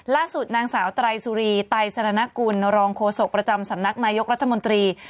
ล่าสุดนางสาวไตรสุรีไตรสรณกุลรองโฆษกประจำสำนักนายกรัฐมนตรี